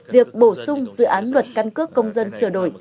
việc bổ sung dự án luật căn cước công dân sửa đổi